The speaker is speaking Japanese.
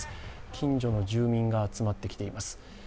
近所の住民が集まってきています。